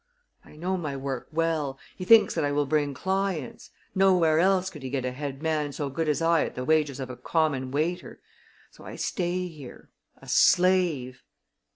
I know my work well. He thinks that I will bring clients. Nowhere else could he get a head man so good as I at the wages of a common waiter. So I stay here a slave!"